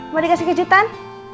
mau dikasih kejutan